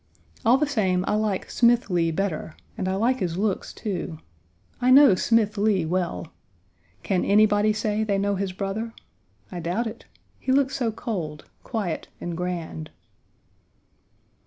All the same, I like Smith Lee better, and I like his looks, too. I know Smith Lee well. Can anybody say they know his brother? I doubt it. He looks so cold, quiet, and grand.